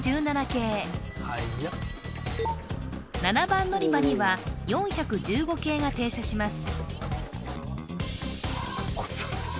７番のりばには４１５系が停車します